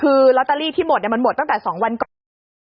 คือลอตเตอรี่ที่หมดมันหมดตั้งแต่๒วันก่อน